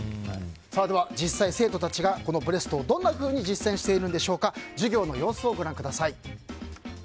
では実際、生徒たちがこのブレストをどんなふうに実践しているのか授業の様子をご覧ください。